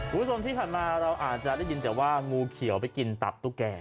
คุณผู้ชมที่ผ่านมาเราอาจจะได้ยินแต่ว่างูเขียวไปกินตับตุ๊กแก่